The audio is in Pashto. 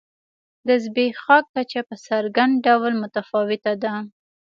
د زبېښاک کچه په څرګند ډول متفاوته ده.